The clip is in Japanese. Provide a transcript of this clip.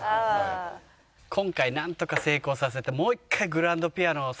今回なんとか成功させてもう一回。